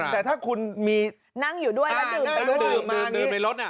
แต่ถ้าคุณมีนั่งอยู่ด้วยแล้วดื่มไปด้วย